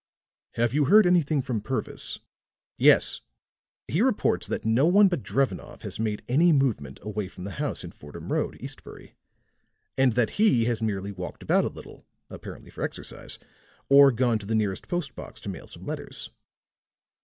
"Have you heard anything from Purvis?" "Yes. He reports that no one but Drevenoff has made any movement away from the house in Fordham Road, Eastbury. And that he has merely walked about a little, apparently for exercise, or gone to the nearest post box to mail some letters."